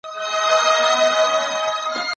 هغوی د خپلو موخو لپاره هڅه وکړه.